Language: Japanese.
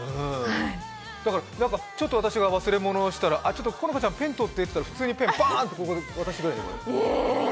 ちょっと私が忘れ物したら、「好花ちゃん、ペン取って」って言ったら普通にペン、パーンとここで渡してくれるのよ。